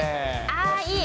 あー、いい。